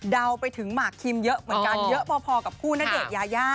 เดาไปถึงหมากคิมเยอะเหมือนกันเยอะพอกับคู่ณเดชนยายา